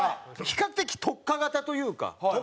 比較的特化型というか。